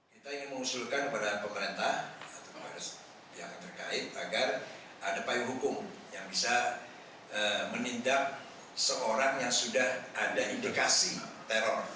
kita ingin mengusulkan kepada pemerintah atau kepada pihak terkait agar ada payung hukum yang bisa menindak seorang yang sudah ada indikasi teror